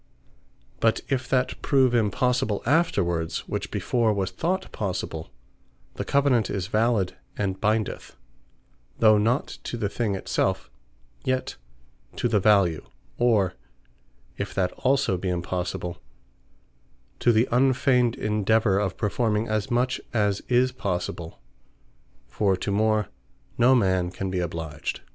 But if that prove impossible afterwards, which before was thought possible, the Covenant is valid, and bindeth, (though not to the thing it selfe,) yet to the value; or, if that also be impossible, to the unfeigned endeavour of performing as much as is possible; for to more no man can be obliged.